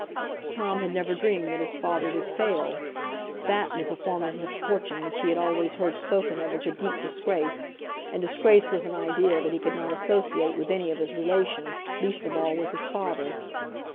Tom had never dreamed that his father would "fail"; that was a form of misfortune which he had always heard spoken of as a deep disgrace, and disgrace was an idea that he could not associate with any of his relations, least of all with his father.